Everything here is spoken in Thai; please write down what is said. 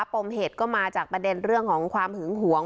ปมเหตุก็มาจากประเด็นเรื่องของความหึงหวง